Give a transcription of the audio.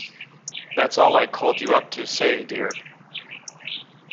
That's all I called you up to say-dear.